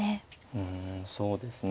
うんそうですね。